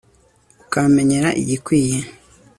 ukamenyera igikwiye